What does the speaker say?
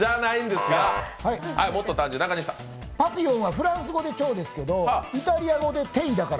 パピヨンはフランス語で蝶やけどイタリア語で「てい」だから。